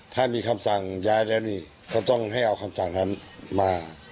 ๒ถ้ามีคำสั่งย้ายได้ก็ต้องให้เอาคำสั่งมา